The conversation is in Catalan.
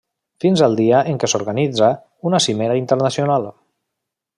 Fins al dia en què s'organitza una cimera internacional.